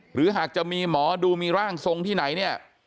หรือหากจะมีหมอดูมีร่างทรงที่ไหนเนี่ย